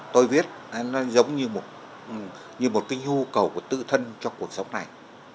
tôi viết nó giống như một kinh hưu cầu của tự thân cho cuộc sống này